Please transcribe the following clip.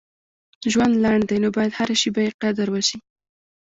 • ژوند لنډ دی، نو باید هره شیبه یې قدر وشي.